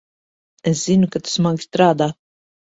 Es zinu, ka tu smagi strādā.